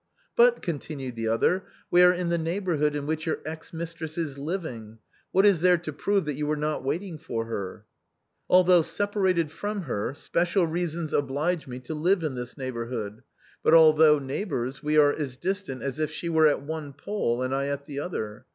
" But," continued the other, " we are in the neighborhood in which your ex mistress is living; what is there to prove that you were not waiting for her ?" "Although separated from her, special reasons oblige me to live in this neighborhood; but, although neighbors, we are as distant as if she were at one pole and I at the other.